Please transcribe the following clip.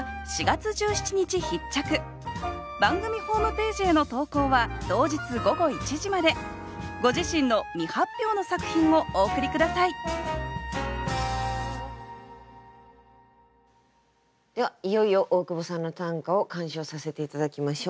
６月のテーマはご自身の未発表の作品をお送り下さいではいよいよ大久保さんの短歌を鑑賞させて頂きましょう。